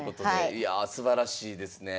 いやすばらしいですね。